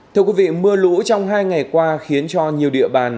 thưa quý vị mưa lũ trong hai ngày qua khiến cho nhiều địa bàn